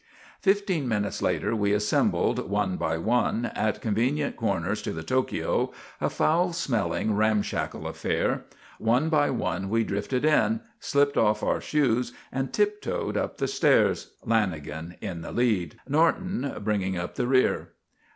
Fifteen minutes later we assembled, one by one, at convenient corners to the Tokio, a foul smelling, ramshackle affair. One by one we drifted in, slipped off our shoes and tiptoed up the stairs, Lanagan in the lead, Norton bringing up the rear.